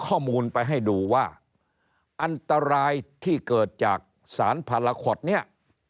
ข้อมูลไปให้ดูว่าอันตรายที่เกิดจากสารพาราคอตเนี่ย